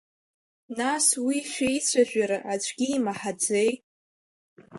Нас уи шәеицәажәара аӡәгьы имаҳаӡеи?